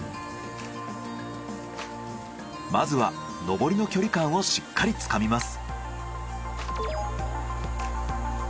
まずは上りの距離感をしっかりつかみます。